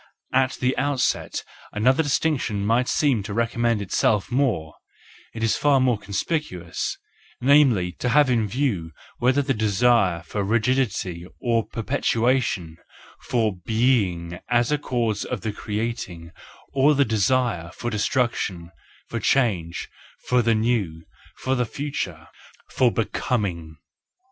At the out¬ set another distinction might seem to recommend itself more—it is far more conspicuous,—namely, to have in view whether the desire for rigidity, for perpetuation, for being is the cause of the creating, or the desire for destruction, for change, for the* new, for the future—for becoming.